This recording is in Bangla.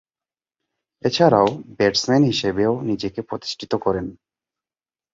এছাড়াও, ব্যাটসম্যান হিসেবেও নিজেকে প্রতিষ্ঠিত করেন।